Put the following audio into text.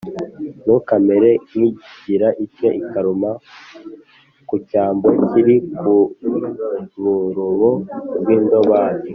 Ntukamere nk i igira itya ikaruma ku cyambo kiri ku rurobo rw indobani